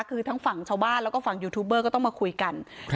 คือทั้งฝั่งชาวบ้านแล้วก็ฝั่งยูทูบเบอร์ก็ต้องมาคุยกัน